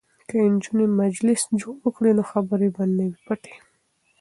که نجونې مجلس جوړ کړي نو خبرې به نه وي پټې.